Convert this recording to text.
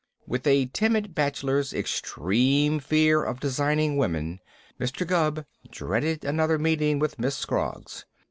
With a timid bachelor's extreme fear of designing women, Mr. Gubb dreaded another meeting with Miss Scroggs.